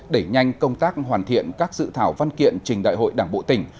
đẩy nhanh công tác hoàn thiện các dự thảo văn kiện trình đại hội đảng bộ tỉnh